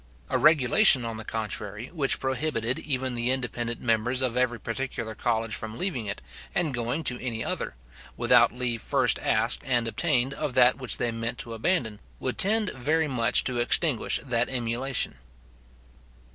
A regulation, on the contrary, which prohibited even the independent members of every particular college from leaving it, and going to any other, without leave first asked and obtained of that which they meant to abandon, would tend very much to extinguish that emulation.